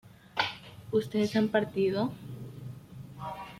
ustedes han partido